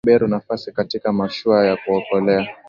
alimpa beru nafasi katika mashua ya kuokolea